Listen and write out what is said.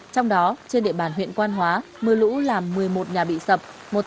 trong đó trên địa bàn huyện quan hóa mưa lũ làm một mươi một nhà bị sập